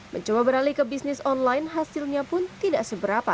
mencoba beralih ke bisnis online hasilnya pun tidak seberapa